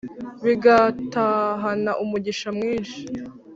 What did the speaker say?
bigatahana umugisha mwinshi